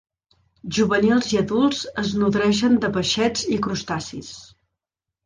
Juvenils i adults es nodreixen de peixets i crustacis.